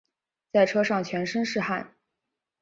在车上全身是汗